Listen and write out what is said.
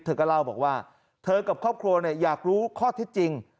เธอก็เล่าบอกว่าเธอกับครอบครัวอยากรู้ข้อเท็จจริง